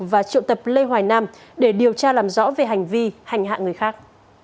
và triệu tập lê hoài nam để điều tra làm rõ về hành vi hành hạ người khác